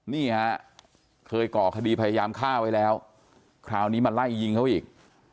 นี่ฮะเคยก่อคดีพยายามฆ่าไว้แล้วคราวนี้มาไล่ยิงเขาอีก